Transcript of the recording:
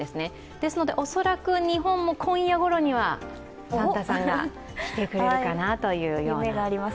ですので恐らく日本も今夜ごろにはサンタさんが来てくれるかなと。